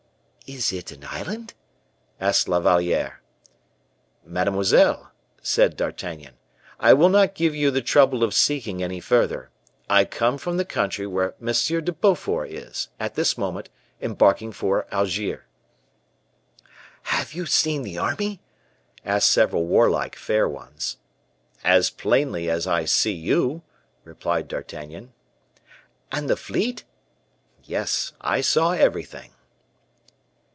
"Is it an island?" asked La Valliere. "Mademoiselle," said D'Artagnan; "I will not give you the trouble of seeking any further; I come from the country where M. de Beaufort is, at this moment, embarking for Algiers." "Have you seen the army?" asked several warlike fair ones. "As plainly as I see you," replied D'Artagnan. "And the fleet?" "Yes, I saw everything."